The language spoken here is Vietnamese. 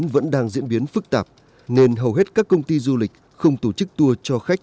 vẫn đang diễn biến phức tạp nên hầu hết các công ty du lịch không tổ chức tour cho khách